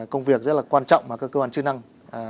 công việc rất là quan trọng mà các cơ quan chức năng